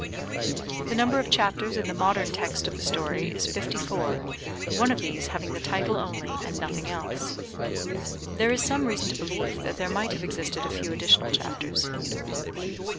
The number of chapters in the modern text of the story is fifty four, one of these having the title only and nothing else. There is some reason to believe that there might have existed a few additional chapters.